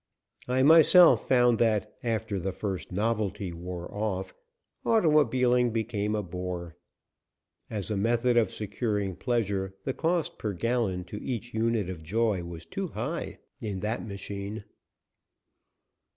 I myself found that after the first novelty wore off automobiling became a bore. As a method of securing pleasure the cost per gallon to each unit of joy was too high, in that machine.